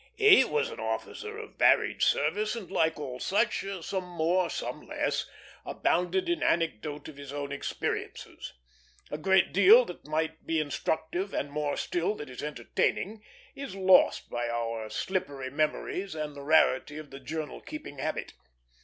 He was an officer of varied service, and like all such, some more, some less, abounded in anecdote of his own experiences. A great deal that might be instructive, and more still that is entertaining, is lost by our slippery memories and the rarity of the journal keeping habit.